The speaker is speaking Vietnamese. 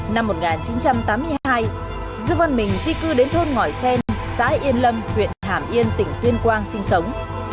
năm một nghìn chín trăm tám mươi hai dương văn mình di cư đến thôn ngõi sen xã yên lâm huyện hàm yên tỉnh tuyên quang sinh sống